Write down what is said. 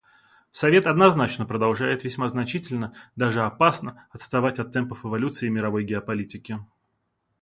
Совет однозначно продолжает весьма значительно, даже опасно, отставать от темпов эволюции мировой геополитики.